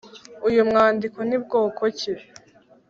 Uyu mwandiko ni bwoko ki